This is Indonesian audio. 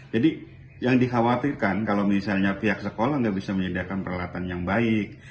jadi yang dikhawatirkan kalau misalnya pihak sekolah tidak bisa menyediakan peralatan yang baik